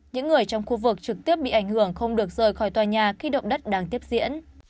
những người trong khu vực trực tiếp bị ảnh hưởng không được rời khỏi tòa nhà khi động đất đang tiếp diễn